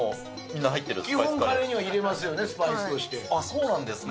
そうなんですか？